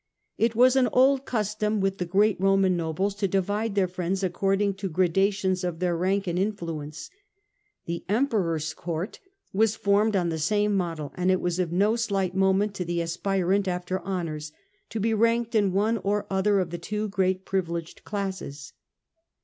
It was an old custom with great Roman nobles to divide their friends according to gradations of their rank and influence. The Emperor's court was formed on the same model, and it was of no slight moment to the aspirant after honours to be ranked in one or other of the two great privileged classes.